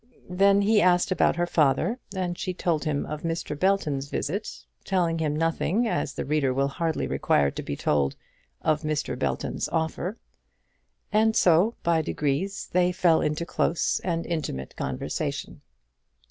Then he asked after her father, and she told him of Mr. Belton's visit, telling him nothing as the reader will hardly require to be told of Mr. Belton's offer. And so, by degrees, they fell into close and intimate conversation.